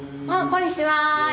こんにちはっす。